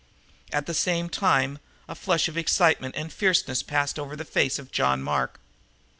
At the same time a flush of excitement and fierceness passed over the face of John Mark.